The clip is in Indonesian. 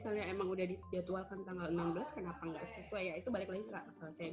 ngerasa kalau misalnya emang sudah dijadwalkan tanggal enam belas kenapa enggak